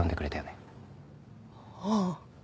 ああ。